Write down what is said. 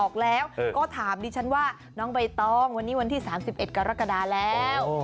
ก็ถามดิฉันว่านิ๊กส์อาหารใบต้องวันนี้วันที่๓๑กรกฎาแล้ว